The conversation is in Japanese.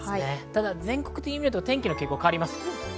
ただ全国的に見ると天気の傾向が変わります。